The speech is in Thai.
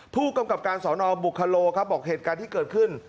ผู้กำกับการสอนอบุคโลครับบอกเหตุการณ์ที่เกิดขึ้น